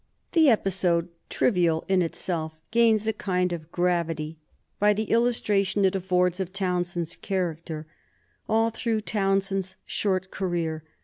The episode, trivial in itself, gains a kind of gravity by the illustration it affords of Townshend's character all through Townshend's short career.